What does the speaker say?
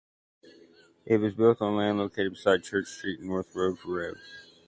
It was built on land located beside Church Street and North Road for Rev.